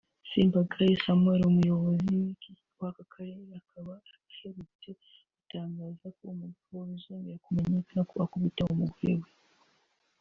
Sembagare Samuel Umuyobozi w’ako Karere akaba aherutse gutangaza ko umugabo bizongera kumenyekana ko akubita umugore we